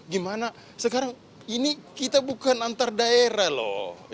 gimana sekarang ini kita bukan antardaere loh